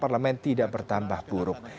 parlamen tidak bertambah buruk